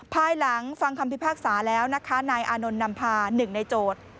ภายหลังฟังคำพิพากษาแล้วนะคะนายอานนท์นำพา๑ในโจทย์